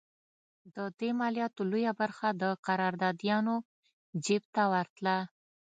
د دې مالیاتو لویه برخه د قراردادیانو جېب ته ورتله.